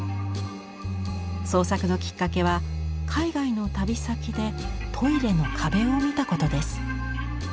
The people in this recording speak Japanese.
創作のきっかけは海外の旅先でトイレの壁を見たことです。